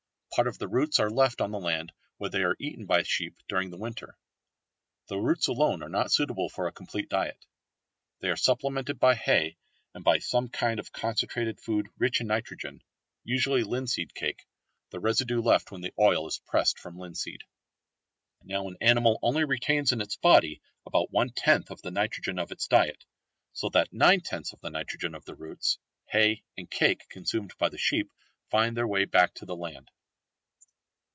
Part of the roots are left on the land where they are eaten by sheep during the winter. The roots alone are not suitable for a complete diet. They are supplemented by hay and by some kind of concentrated food rich in nitrogen, usually linseed cake, the residue left when the oil is pressed from linseed. Now an animal only retains in its body about one tenth of the nitrogen of its diet, so that nine tenths of the nitrogen of the roots, hay and cake consumed by the sheep find their way back to the land.